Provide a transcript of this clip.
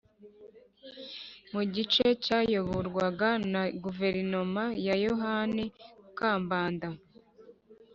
mu gice cyayoborwaga na guverinoma ya yohani kambanda